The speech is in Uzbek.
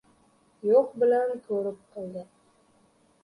Yo‘q, bilib-ko‘rib qildi.